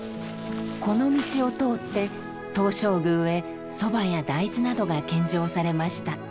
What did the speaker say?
この道を通って東照宮へ蕎麦や大豆などが献上されました。